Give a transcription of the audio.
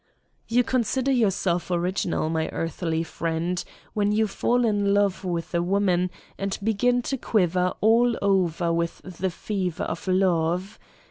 You consider yourself original, my earthly friend, when you fall in love with a woman and begin to quiver all over with the fever of love.